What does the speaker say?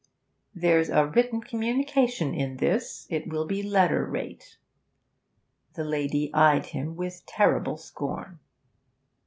'There's a written communication in this. It will be letter rate.' The lady eyed him with terrible scorn.